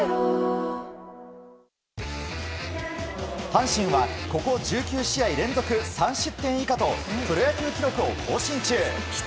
阪神はここ１９試合連続３失点以下とプロ野球記録を更新中。